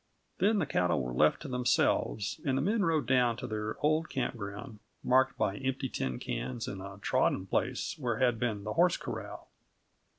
Then the cattle were left to themselves, and the men rode down to their old campground, marked by empty tin cans and a trodden place where had been the horse corral.